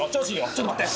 ちょっと待って。